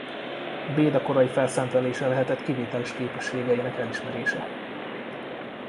Beda korai felszentelése lehetett kivételes képességeinek elismerése.